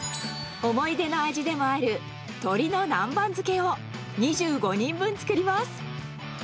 思い出の味でもある鶏の南蛮漬けを２５人分作ります。